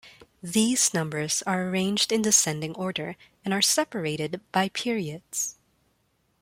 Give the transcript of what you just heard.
These numbers are arranged in descending order and are separated by periods.